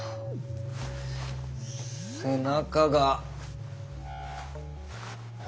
背中が。え？